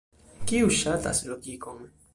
kiu ŝatas logikon